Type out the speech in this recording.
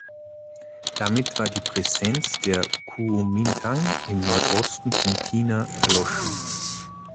Damit war die Präsenz der Kuomintang im Nordosten von China erloschen.